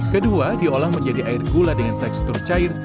kedua diolah menjadi air gula dengan tekstur cair